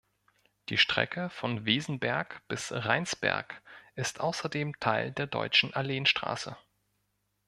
Die Strecke von Wesenberg bis Rheinsberg ist außerdem Teil der Deutschen Alleenstraße.